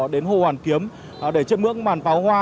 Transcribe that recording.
đến hồ hoàn kiếm để chiếm mưỡng màn pháo hoa